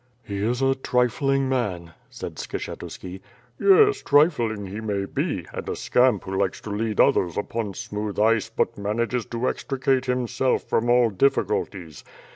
"He is a trifling man," said Skshetuski. "Yes, trifling he may be, and a scamp who likes to lead others upon smooth ice but manages to extricate himself from all difficulties.